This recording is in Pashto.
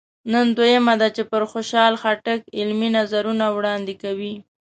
نن دوهمه ده چې پر خوشحال خټک علمي نظرونه وړاندې کوي.